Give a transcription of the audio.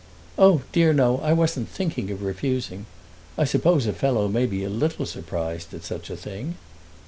"Oh, dear, no; I wasn't thinking of refusing. I suppose a fellow may be a little surprised at such a thing."